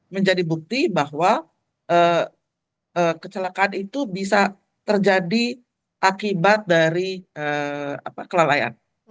menjadi bukti bahwa kecelakaan itu bisa terjadi akibat dari kelalaian